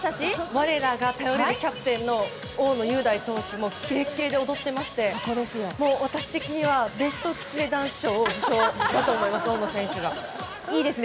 我らが頼れるキャプテンの大野雄大投手もキレキレで踊ってまして私的にはベストきつねダンス賞を受賞だと思います。